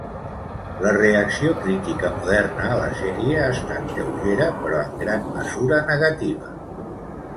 La reacció crítica moderna a la sèrie ha estat lleugera, però en gran mesura negativa.